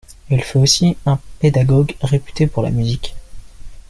Il fut aussi un pédagogue réputé pour la musique.